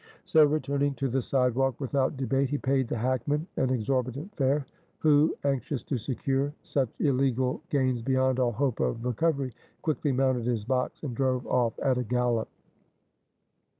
So returning to the sidewalk, without debate, he paid the hackman an exorbitant fare, who, anxious to secure such illegal gains beyond all hope of recovery, quickly mounted his box and drove off at a gallop.